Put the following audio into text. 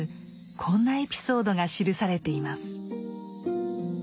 こんなエピソードが記されています。